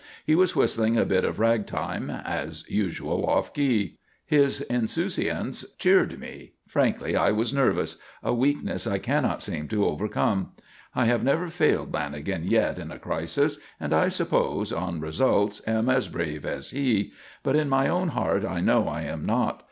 He was whistling a bit of ragtime; as usual off key. His insouciance cheered me. Frankly, I was nervous; a weakness I cannot seem to overcome. I have never failed Lanagan yet at a crisis, and I suppose, on results, am as brave as he. But in my own heart I know I am not.